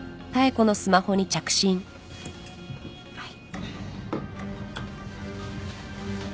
はい。